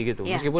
kita naukan dulu